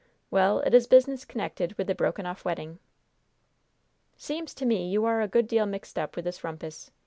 "Well, it is business connected with the broken off wedding." "Seems to me you are a good deal mixed up with this rumpus.